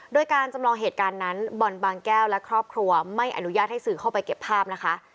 โดยการจำลองเหตุการณ์นั้นบ่อนบางแก้วและครอบครัวไม่อนุญาตให้สื่อเข้าไปเก็บภาพนะคะ